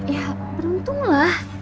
ya beruntung lah